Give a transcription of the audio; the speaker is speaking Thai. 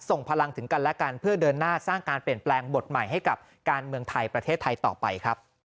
ส่งพลังถึงกันและกันเพื่อเดินหน้าสร้างการเปลี่ยนแปลงบทใหม่ให้กับการเมืองไทยประเทศไทยต่อไปครับ